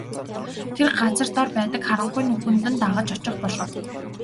Тэр газар дор байдаг харанхуй нүхэнд нь дагаж очих болов.